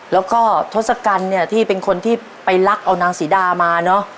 แล้วก็ทศกัณฐ์เนี่ยที่เป็นคนที่ไปลักเอานางศรีดามาเนอะ